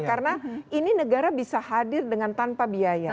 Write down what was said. karena ini negara bisa hadir dengan tanpa biaya